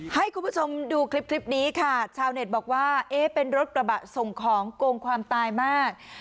ให้คุณผู้ชมดูคลิปนี้ค่ะชาวเน็ตบอกว่าเอ๊ะเป็นรถกระบะส่งของโกงความตายมาก